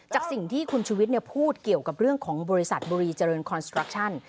สิ่งที่คุณชุวิตพูดเกี่ยวกับเรื่องของบริษัทบุรีเจริญคอนสตรักชั่น